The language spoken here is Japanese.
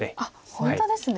本当ですね。